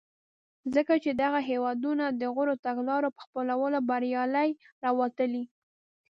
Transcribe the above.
ځکه چې دغه هېوادونه د غوره تګلارو په خپلولو بریالي راوتلي.